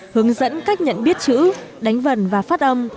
hướng dẫn cách nhận biết chữ đánh vần và phát âm